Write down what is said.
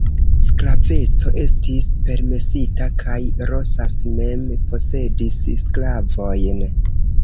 Sklaveco estis permesita kaj Rosas mem posedis sklavojn.